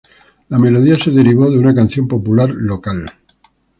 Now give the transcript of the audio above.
La melodía se derivó de una canción popular local.